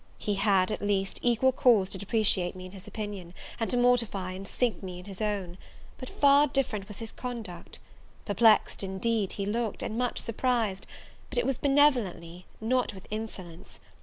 He had, at least, equal cause to depreciate me in his opinion, and to mortify and sink me in my own; but far different was his conduct: perplexed, indeed, he looked, and much surprised: but it was benevolently, not with insolence.